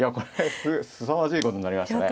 すさまじいことになりましたね。